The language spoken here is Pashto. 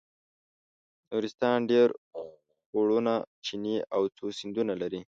نورستان ډېر خوړونه چینې او څو سیندونه لري.